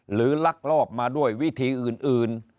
ลักลอบมาด้วยวิธีอื่น